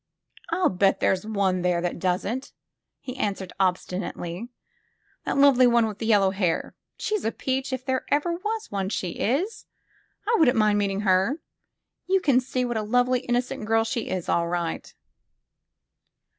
I'll bet there's one there that doesn't," he answered obstinately; that lovely one with the yellow hair. She's a peach, if there ever was one, she is ! I wouldn't mind meeting her. You can see what a lovely, innocent girl she is, all right."